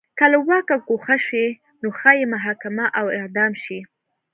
که له واکه ګوښه شي نو ښايي محاکمه او اعدام شي.